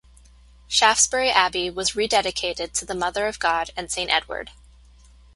Shaftesbury Abbey was rededicated to the Mother of God and Saint Edward.